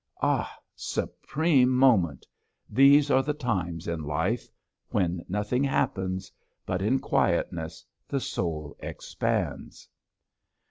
Ah, supreme moment! These are the times in life when nothing happens but in quietness the soul expands.